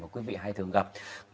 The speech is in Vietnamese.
của quý vị hay thường gặp